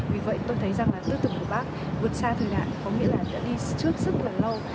vì vậy tôi thấy rằng là tư tưởng của bác vượt xa thời đại có nghĩa là đã đi trước rất là lâu